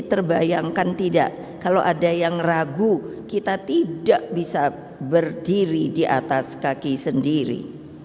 jadi terbayangkan tidak kalau ada yang ragu kita tidak bisa berdiri di atas kaki sendiri